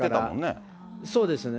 そうですね。